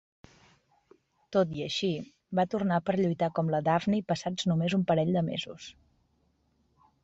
Tot i així, va tornar per lluitar com la Daffney passats només un parell de mesos.